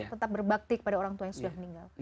tetap berbakti kepada orang tua yang sudah meninggal